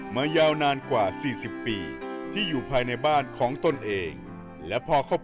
มายาวนานกว่า๔๐ปีที่อยู่ภายในบ้านของตนเองและพอเข้า